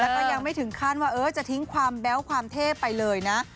แล้วก็ยังไม่ถึงขั้นว่าจะทิ้งความแบ๊วความเท่ไปเลยนะ